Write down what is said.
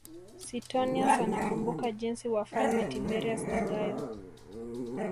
Suetonius anakumbuka jinsi Wafalme Tiberius na Gayo